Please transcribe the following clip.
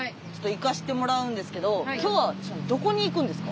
行かしてもらうんですけど今日はどこに行くんですか？